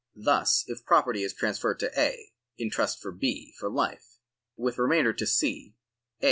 Thus if property is transferred to A., in trust for B. for life, with remainder to C, A.